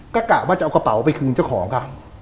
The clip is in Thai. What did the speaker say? ก็กะว่าจะเอากระเป๋าไปคืนเจ้าของค่ะ